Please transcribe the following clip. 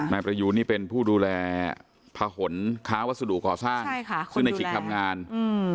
นายประยูนนี่เป็นผู้ดูแลผนค้าวัสดุก่อสร้างใช่ค่ะซึ่งในขิกทำงานอืม